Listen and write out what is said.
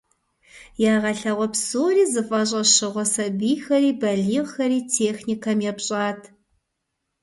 Ягъэлъагъуэ псори зыфӏэщӏэщыгъуэ сабийхэри балигъхэри техникэм епщӏат.